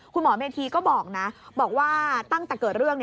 เมธีก็บอกนะบอกว่าตั้งแต่เกิดเรื่อง